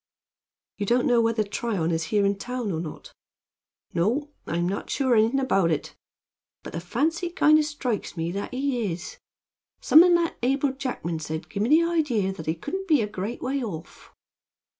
"You don't know whether Tryon is here in town or not?" "No, I'm not sure anything about it; but the fancy kind o' strikes me that he is. Something that Abel Jackman said give me the idea that he couldn't be a great way off."